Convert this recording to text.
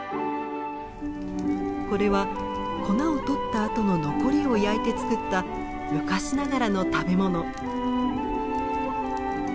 これは粉をとったあとの残りを焼いて作った昔ながらの食べ物。